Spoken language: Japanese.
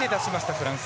フランス。